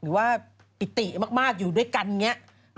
หรือว่าอิติมากอยู่ด้วยกันนี้